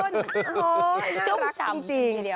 น่ารักจริง